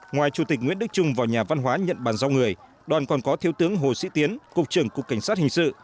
ngoài chủ tịch nguyễn đức trung vào nhà văn hóa nhận bàn giao người đoàn còn có thiếu tướng hồ sĩ tiến cục trưởng cục cảnh sát hình sự